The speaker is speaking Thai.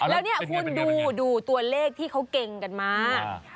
แล้วเนี่ยคุณดูตัวเลขที่เขาเก่งกันมา